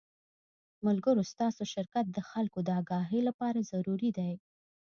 ملګرو ستاسو شرکت د خلکو د اګاهۍ له پاره ضروري دے